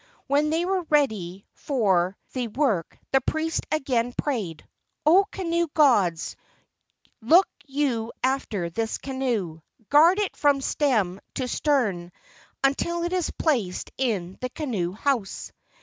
When they were ready for the 34 LEGENDS OF GHOSTS work the priest again prayed: "Oh, canoe gods, look you after this canoe. Guard it from stem tc stern, until it is placed in the canoe house."